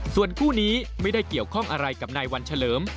ส่วนคู่นี้ไม่ได้เกี่ยวข้องอะไรกับนายวันเฉลิม